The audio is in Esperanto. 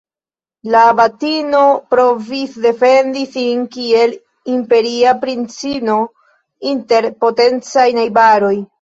La abatino provis defendi sin kiel imperia princino inter potencaj najbaroj.